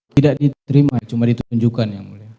tidak diterima cuma ditunjukkan yang mulia